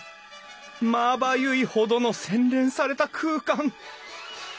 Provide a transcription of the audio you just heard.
まばゆいほどの洗練された空間。